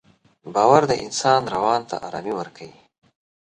باور د انسان روان ته ارامي ورکوي.